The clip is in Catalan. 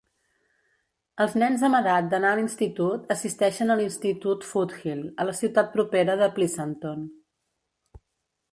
Els nens amb edat d'anar a l'institut assisteixen a l'Institut Foothill, a la ciutat propera de Pleasanton.